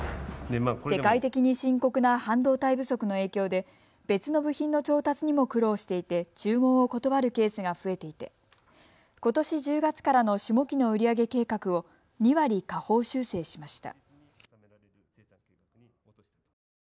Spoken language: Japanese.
世界的に深刻な半導体不足の影響で別の部品の調達にも苦労していて注文を断るケースが増えていてことし１０月からの下期の売り上げ計画を２割、下方修正しました。